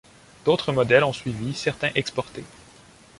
D'autres modèles ont suivi, certains exportés.